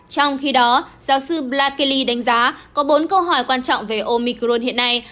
trong khi đó giáo sư black kelly đánh giá có bốn câu hỏi quan trọng về omicron hiện nay